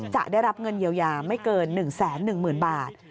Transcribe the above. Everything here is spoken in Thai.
จะได้รับเงินเยียวยาไม่เกิน๑๑๐๐๐บาท